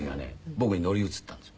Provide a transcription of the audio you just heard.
僕に乗り移ったんですよ。